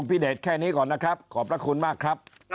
พิเศษแค่นี้ก่อนนะครับขอบพระคุณมากครับ